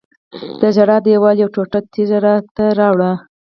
د ژړا دیوال یوه ټوټه تیږه راته راوړه.